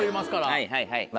はいはいはい。